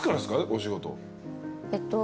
お仕事。